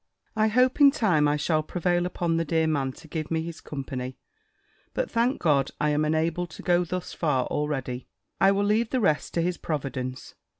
I hope in time, I shall prevail upon the dear man to give me his company. But, thank God, I am enabled to go thus far already! I will leave the rest to his providence.